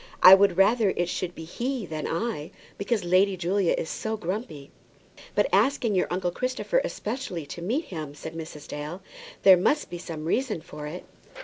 "I would rather it should be he than I, because Lady Julia is so grumpy." "But asking your uncle Christopher especially to meet him!" said Mrs. Dale. "There must be some reason for it."